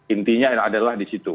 intinya adalah di situ